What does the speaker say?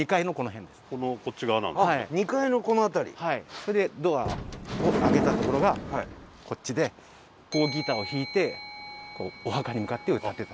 それでドアを開けたところがこっちでこうギターを弾いてお墓に向かって歌ってた。